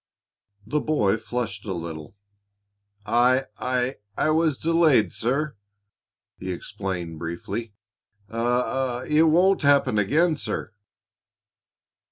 The boy flushed a little. "I I was delayed, sir," he explained briefly. "I I it won't happen again, sir."